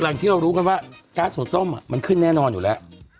อย่างที่เรารู้กันว่าก๊าซหุงต้มมันขึ้นแน่นอนอยู่แล้ว